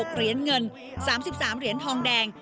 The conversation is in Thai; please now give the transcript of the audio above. เหรียญเงิน๓๓เหรียญทองแดง